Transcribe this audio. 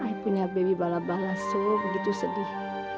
i punya baby bala bala semua begitu sedih